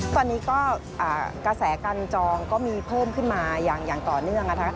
ตอนนี้ก็กระแสการจองก็มีเพิ่มขึ้นมาอย่างต่อเนื่องนะคะ